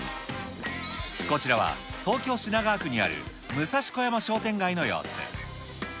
こちらは東京・品川区にある武蔵小山商店街の様子。